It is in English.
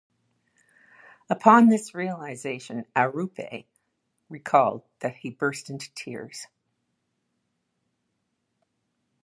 Upon this realization, Arrupe recalled that he burst into tears.